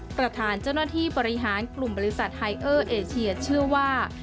ประธานเจ้าหน้าที่บริหารกลุ่มบริษัทไฮเออร์เอเชียเชื่อว่า